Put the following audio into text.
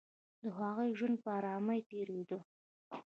د هغوی ژوند په آرامۍ تېرېده